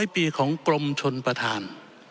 ๒ปีของกรมชนประธาน